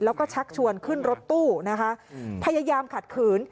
แล้วก็ชักชวนขึ้นรถตู้นะคะพยายามขัดขืน